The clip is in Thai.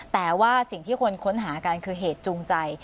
แต่ว่าสิ่งที่คนค้นหากันคือเหตุจูงใจ